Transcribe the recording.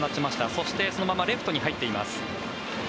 そしてそのままレフトに入っています。